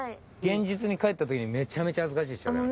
現実に返った時にめちゃめちゃ恥ずかしいでしょ？